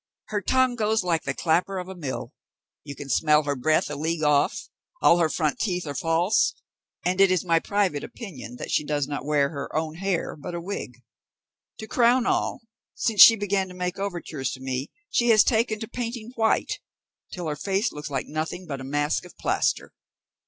her tongue goes like the clapper of a mill; you can smell her breath a league off; all her front teeth are false, and it is my private opinion that she does not wear her own hair, but a wig. To crown all, since she began to make overtures to me, she has taken to painting white, till her face looks like nothing but a mask of plaster."